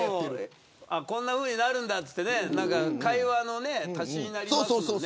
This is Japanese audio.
こんなふうになるんだと言って会話の足しになりますもんね。